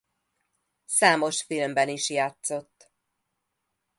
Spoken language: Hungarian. Számos filmben is játszott.